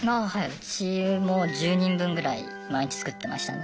うちも１０人分ぐらい毎日作ってましたね。